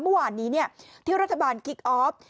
เมื่อวานนี้ที่รัฐบาลคิกออฟ